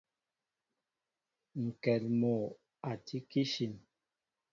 Ŋkɛn mol a tí kishin.